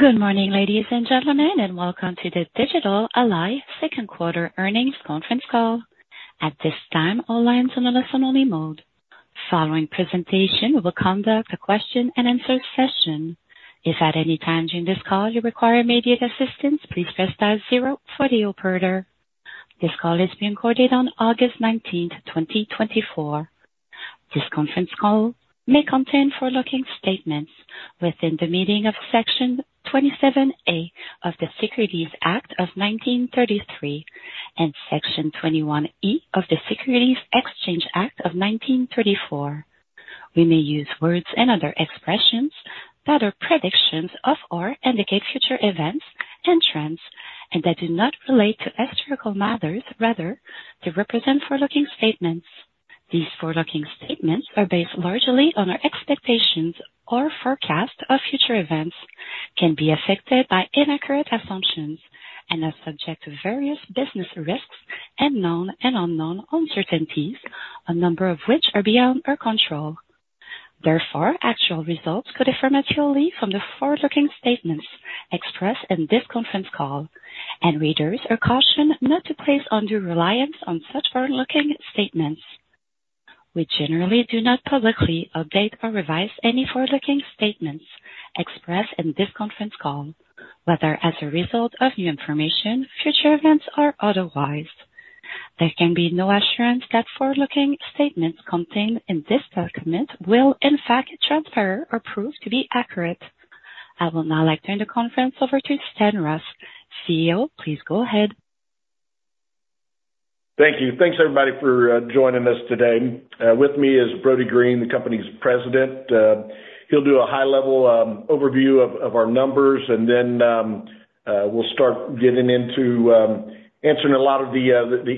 Good morning, ladies and gentlemen, and welcome to the Digital Ally Q2 Earnings Conference Call. At this time, all lines on a listen-only mode. Following presentation, we will conduct a question-and-answer session. If at any time during this call you require immediate assistance, please press star zero for the operator. This call is being recorded on August 19, 2024. This conference call may contain forward-looking statements within the meaning of Section 27A of the Securities Act of 1933 and Section 21E of the Securities Exchange Act of 1934. We may use words and other expressions that are predictions of or indicate future events and trends, and that do not relate to historical matters, rather they represent forward-looking statements. These forward-looking statements are based largely on our expectations or forecasts of future events, can be affected by inaccurate assumptions and are subject to various business risks and known and unknown uncertainties, a number of which are beyond our control. Therefore, actual results could differ materially from the forward-looking statements expressed in this conference call, and readers are cautioned not to place undue reliance on such forward-looking statements. We generally do not publicly update or revise any forward-looking statements expressed in this conference call, whether as a result of new information, future events, or otherwise. There can be no assurance that forward-looking statements contained in this document will in fact transfer or prove to be accurate. I will now like to turn the conference over to Stan Ross, CEO. Please go ahead. Thank you. Thanks, everybody, for joining us today. With me is Brody Green, the company's President. He'll do a high-level overview of our numbers, and then we'll start getting into answering a lot of the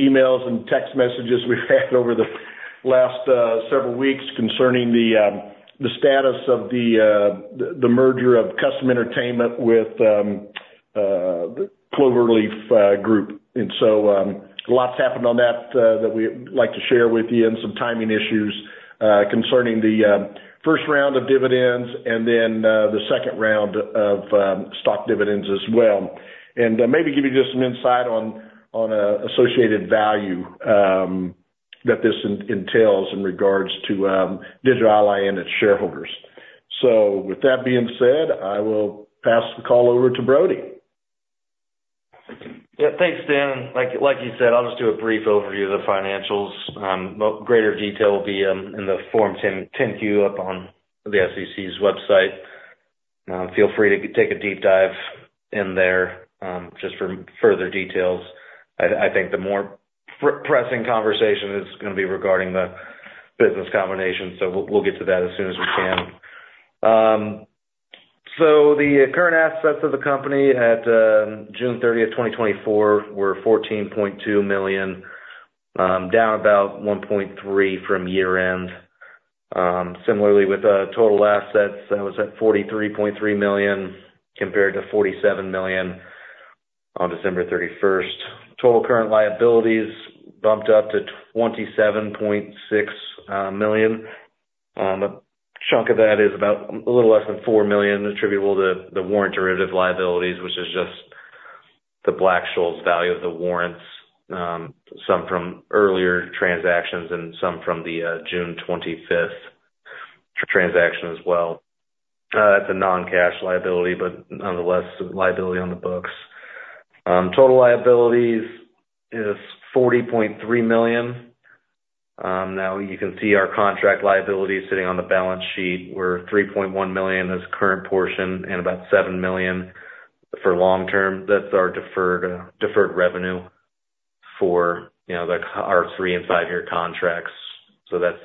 emails and text messages we've had over the last several weeks concerning the status of the merger of Kustom Entertainment with Clover Leaf Group. And so a lot's happened on that we'd like to share with you, and some timing issues concerning the first round of dividends and then the second round of stock dividends as well. And maybe give you just some insight on associated value that this entails in regards to Digital Ally and its shareholders. So with that being said, I will pass the call over to Brody. Yeah, thanks, Stan. Like you said, I'll just do a brief overview of the financials. More greater detail will be in the Form 10-Q up on the SEC's website. Feel free to take a deep dive in there just for further details. I think the more pressing conversation is gonna be regarding the business combination, so we'll get to that as soon as we can. So the current assets of the company at June 30, 2024, were $14.2 million, down about $1.3 from year-end. Similarly, with total assets, that was at $43.3 million, compared to $47 million on December thirty-first. Total current liabilities bumped up to $27.6 million. A chunk of that is about a little less than $4 million attributable to the warrant derivative liabilities, which is just the Black-Scholes value of the warrants, some from earlier transactions and some from the June 25th transaction as well. That's a non-cash liability, but nonetheless, liability on the books. Total liabilities is $40.3 million. Now you can see our contract liability sitting on the balance sheet, where $3.1 million is current portion and about $7 million for long term. That's our deferred revenue for, you know, our 3- and 5-year contracts. So that's...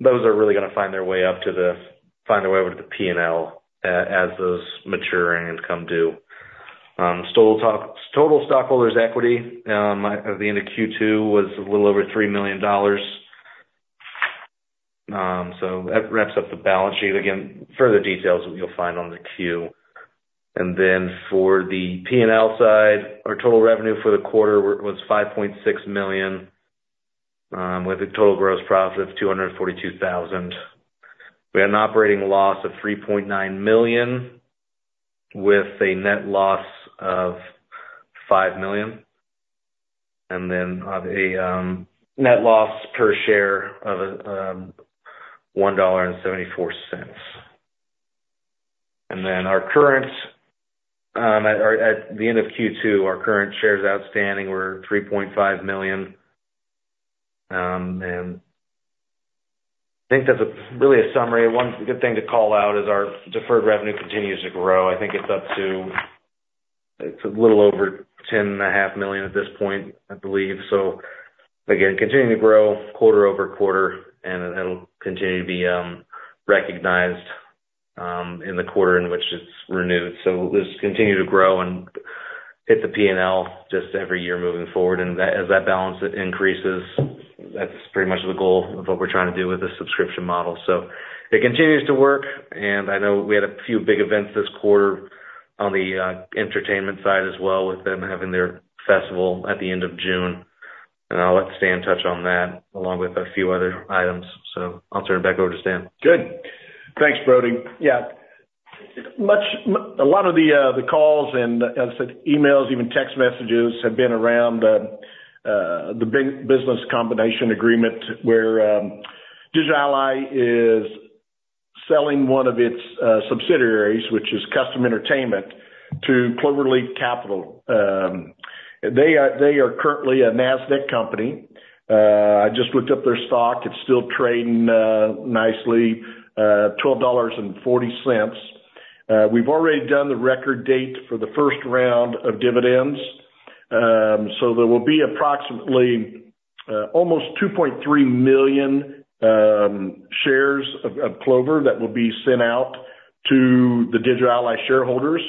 Those are really gonna find their way over to the P&L, as those mature and come due. Total stockholders' equity, at the end of Q2, was a little over $3 million. So that wraps up the balance sheet. Again, further details you'll find on the Q. And then for the P&L side, our total revenue for the quarter was $5.6 million, with a total gross profit of $242,000. We had an operating loss of $3.9 million, with a net loss of $5 million, and then of a, net loss per share of, $1.74. And then our current, at, at the end of Q2, our current shares outstanding were 3.5 million. And I think that's a really a summary. One good thing to call out is our deferred revenue continues to grow. I think it's up to, it's a little over $10.5 million at this point, I believe. So again, continuing to grow quarter over quarter, and it'll continue to be recognized in the quarter in which it's renewed. So this will continue to grow and hit the P&L just every year moving forward, and that, as that balance increases, that's pretty much the goal of what we're trying to do with the subscription model. So it continues to work, and I know we had a few big events this quarter on the entertainment side as well, with them having their festival at the end of June. And I'll let Stan touch on that, along with a few other items. So I'll turn it back over to Stan. Good. Thanks, Brody. Yeah, a lot of the calls and, as I said, emails, even text messages, have been around the big business combination agreement, where Digital Ally is selling one of its subsidiaries, which is Kustom Entertainment, to Clover Leaf Capital. They are currently a Nasdaq company. I just looked up their stock. It's still trading nicely $12.40. We've already done the record date for the first round of dividends. So there will be approximately almost 2.3 million shares of Clover that will be sent out to the Digital Ally shareholders.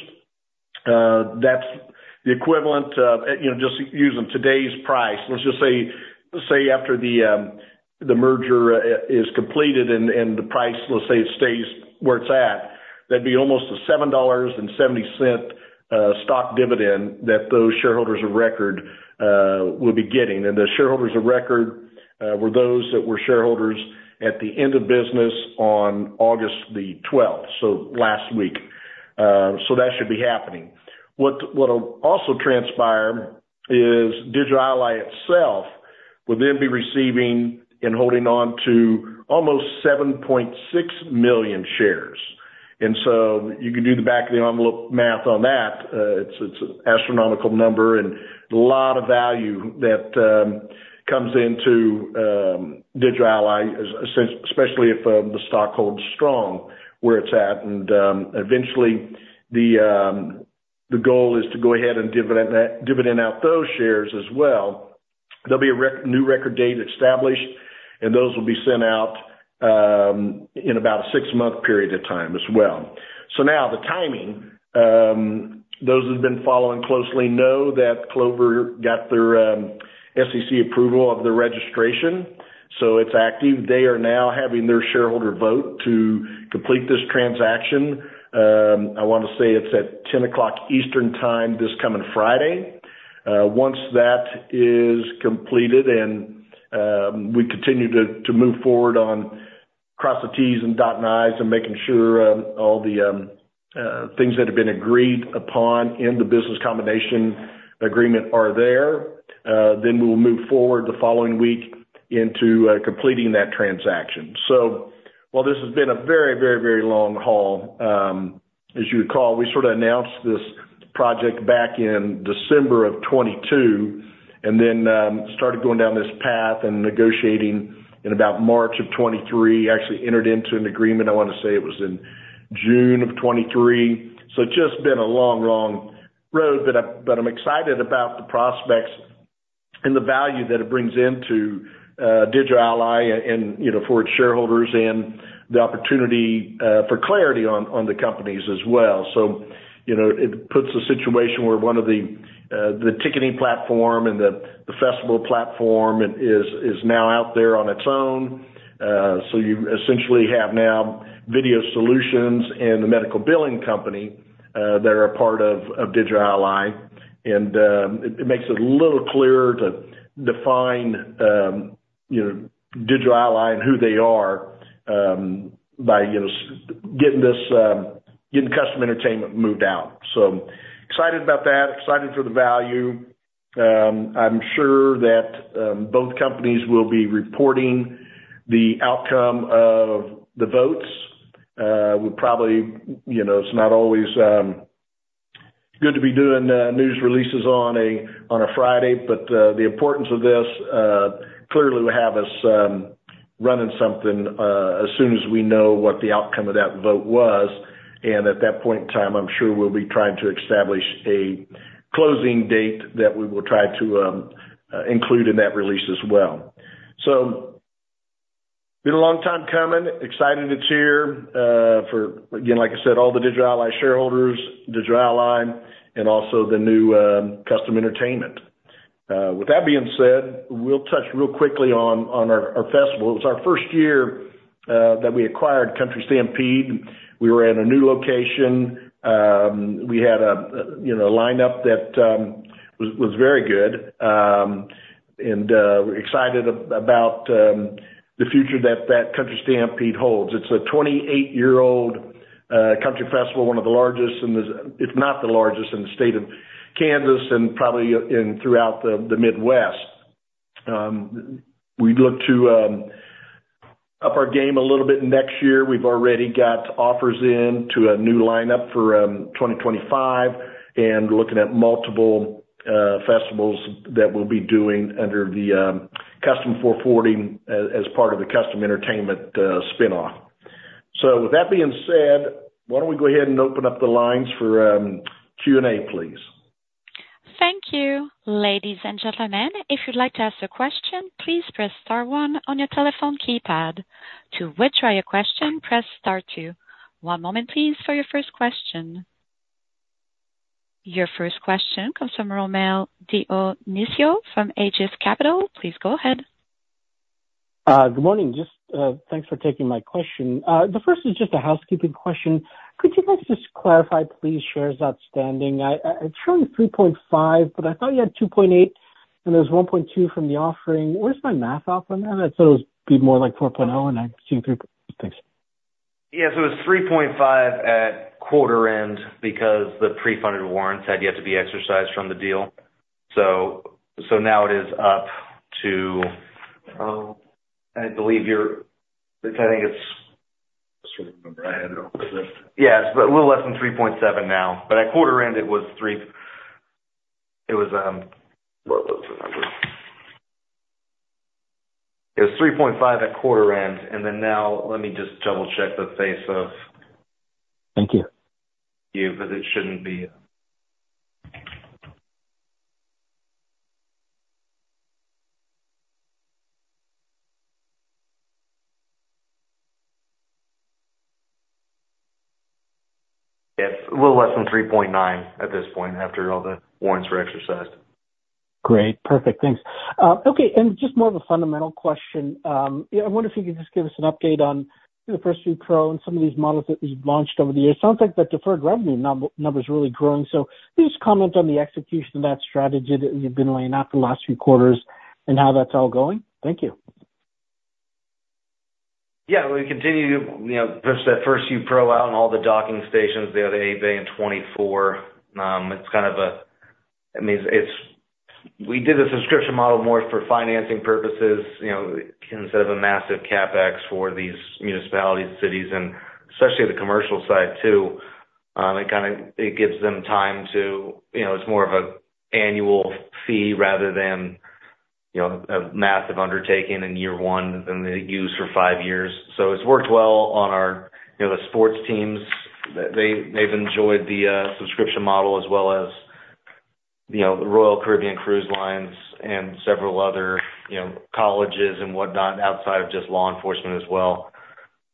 That's the equivalent of, you know, just using today's price, let's just say, after the merger is completed and the price, let's say, it stays where it's at, that'd be almost a $7.70 stock dividend that those shareholders of record will be getting. And the shareholders of record were those that were shareholders at the end of business on August the 12th, so last week. So that should be happening. What'll also transpire is Digital Ally itself will then be receiving and holding on to almost 7.6 million shares. And so you can do the back of the envelope math on that. It's an astronomical number and a lot of value that comes into Digital Ally, especially if the stock holds strong where it's at. Eventually, the goal is to go ahead and dividend that, dividend out those shares as well. There'll be a new record date established, and those will be sent out in about a six-month period of time as well. Now the timing. Those who've been following closely know that Clover got their SEC approval of their registration, so it's active. They are now having their shareholder vote to complete this transaction. I want to say it's at 10:00 A.M. Eastern Time, this coming Friday. Once that is completed, and we continue to move forward on cross the T's and dotting I's and making sure all the things that have been agreed upon in the business combination agreement are there, then we'll move forward the following week into completing that transaction. So while this has been a very, very, very long haul, as you recall, we sort of announced this project back in December of 2022, and then started going down this path and negotiating in about March of 2023. Actually entered into an agreement. I want to say it was in June of 2023. So it's just been a long, long road, but I'm excited about the prospects and the value that it brings into Digital Ally, you know, for its shareholders and the opportunity for clarity on the companies as well. So, you know, it puts a situation where one of the ticketing platform and the festival platform is now out there on its own. So you essentially have now video solutions and the medical billing company that are a part of Digital Ally. It makes it a little clearer to define you know Digital Ally and who they are by you know getting Kustom Entertainment moved out. Excited about that, excited for the value. I'm sure that both companies will be reporting the outcome of the votes. We probably you know it's not always good to be doing news releases on a Friday but the importance of this clearly will have us running something as soon as we know what the outcome of that vote was. At that point in time I'm sure we'll be trying to establish a closing date that we will try to include in that release as well. Been a long time coming. Excited it's here for again like I said all the Digital Ally shareholders Digital Ally and also the new Kustom Entertainment. With that being said we'll touch real quickly on our festival. It was our first year that we acquired Country Stampede. We were in a new location. We had a you know lineup that was very good. We're excited about the future that Country Stampede holds. It's a 28 year-old country festival one of the largest in the... If not the largest in the state of Kansas and probably throughout the Midwest. We'd look to up our game a little bit next year. We've already got offers in to a new lineup for 2025, and looking at multiple festivals that we'll be doing under the Kustom 440 as part of the Kustom Entertainment spinoff. So with that being said, why don't we go ahead and open up the lines for Q&A, please? Thank you, ladies and gentlemen. If you'd like to ask a question, please press star one on your telephone keypad. To withdraw your question, press star two. One moment, please, for your first question. Your first question comes from Rommel Dionisio from Aegis Capital Corp. Please go ahead.... Good morning. Just, thanks for taking my question. The first is just a housekeeping question. Could you guys just clarify, please, shares outstanding? I, it's showing 3.5, but I thought you had 2.8, and there's 1.2 from the offering. Where's my math off on that? I thought it was be more like 4.0, and I've seen 3. Thanks. Yeah, so it was 3.5 at quarter end because the pre-funded warrants had yet to be exercised from the deal. So now it is up to, I believe you're, it's I think it's... Yeah, it's a little less than 3.7 now, but at quarter end it was three, it was, what was the number? It was 3.5 at quarter end, and then now let me just double-check the face of- Thank you. But it shouldn't be... Yeah, it's a little less than 3.9 at this point, after all the warrants were exercised. Great. Perfect. Thanks. Okay, and just more of a fundamental question. Yeah, I wonder if you could just give us an update on the FirstVu Pro and some of these models that you've launched over the years. It sounds like the deferred revenue number's really growing, so please comment on the execution of that strategy that you've been laying out the last few quarters and how that's all going. Thank you. Yeah, we continue to, you know, push that FirstVu Pro out and all the docking stations, the other AV in 2024. It's kind of a, I mean, we did a subscription model more for financing purposes, you know, instead of a massive CapEx for these municipalities, cities, and especially the commercial side too. It kind of gives them time to, you know, it's more of an annual fee rather than, you know, a massive undertaking in year one than they use for five years. So it's worked well on our, you know, the sports teams. They've enjoyed the subscription model as well as, you know, the Royal Caribbean International and several other, you know, colleges and whatnot, outside of just law enforcement as well,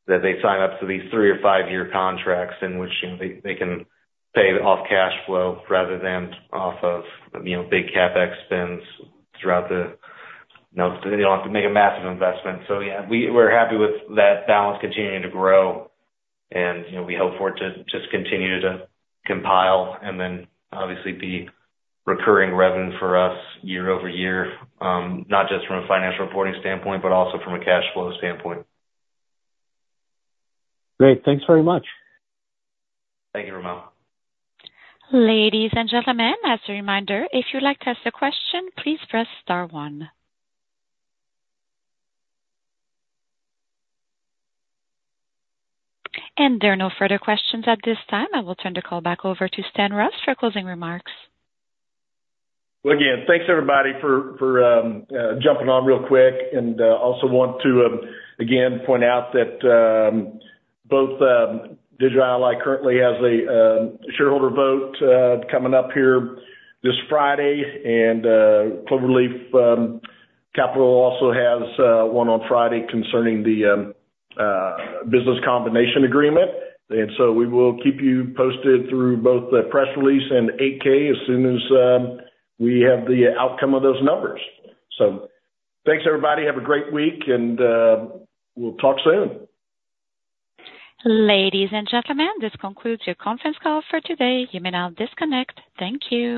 that they sign up to these three or five-year contracts in which, you know, they can pay off cash flow rather than off of, you know, big CapEx spends throughout the, you know, they don't have to make a massive investment. So yeah, we're happy with that balance continuing to grow. And, you know, we hope for it to just continue to compile and then obviously be recurring revenue for us year over year, not just from a financial reporting standpoint, but also from a cash flow standpoint. Great. Thanks very much. Thank you, Rommel. Ladies and gentlemen, as a reminder, if you'd like to ask a question, please press star one, and there are no further questions at this time. I will turn the call back over to Stan Ross for closing remarks. Again, thanks, everybody, for jumping on real quick and also want to again point out that both Digital Ally currently has a shareholder vote coming up here this Friday, and Clover Leaf Capital also has one on Friday concerning the business combination agreement, and so we will keep you posted through both the press release and 8-K as soon as we have the outcome of those numbers. Thanks, everybody. Have a great week, and we'll talk soon. Ladies and gentlemen, this concludes your conference call for today. You may now disconnect. Thank you.